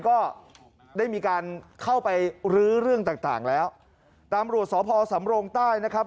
ก็ได้มีการเข้าไปรื้อเรื่องต่างต่างแล้วตำรวจสพสำรงใต้นะครับ